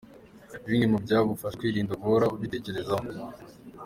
Bimwe mu byagufasha kwirinda guhora ubitekerezaho.